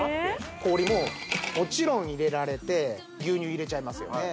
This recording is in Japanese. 氷ももちろん入れられて牛乳入れちゃいますよね